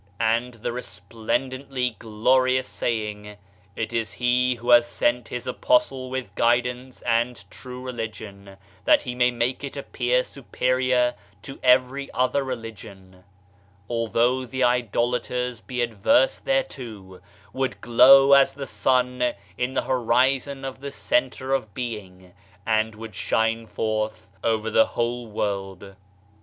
And the resplendently glorious saying, "It is he who has sent his Apostle wlith guidance and true religion, that he may make it appear superior to every other religion, although the idolators be adverse thereto," would glow as the sun in the horizon of the center of being and would shine forth over the whole world.